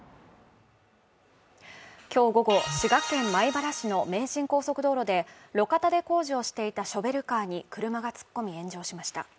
今日午後、滋賀県米原市の名神高速道路で路肩で工事をしていたショベルカーに車が突っ込み炎上しました。